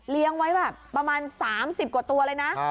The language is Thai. ไว้แบบประมาณ๓๐กว่าตัวเลยนะ